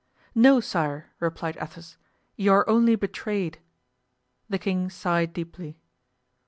"No, sire," replied Athos. "You are only betrayed." The king sighed deeply.